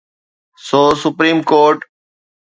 So supreme court.